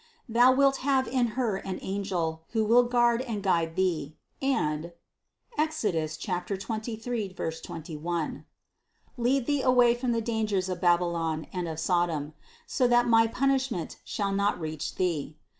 465. "Thou wilt have in Her an angel, who will guard and guide thee, and (Exod. 23, 21) lead thee away from the dangers of Babylon and of Sodom, so that my pun ishment shall not reach thee.